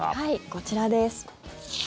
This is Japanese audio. こちらです。